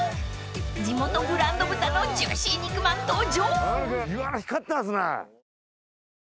［地元ブランド豚のジューシー肉まん登場］